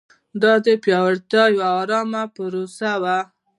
دا د پیاوړتیا یوه ارامه پروسه وه.